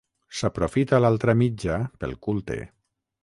S'aprofita l'altra mitja pel culte.